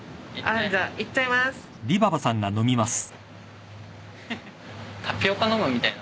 じゃあいっちゃいます！